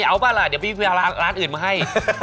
เอามาล่ะเดี๋ยวพี่กำลังน้ำอุหมาให้